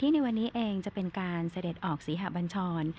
ในการเสด็จออกศรีหะบัญชร